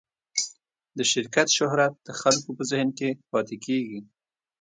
د شرکت شهرت د خلکو په ذهن کې پاتې کېږي.